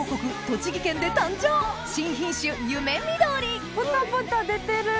栃木県で誕生新品種ゆめみどりポタポタ出てる！